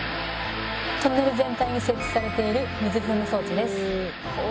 トンネル全体に設置されている水噴霧装置です。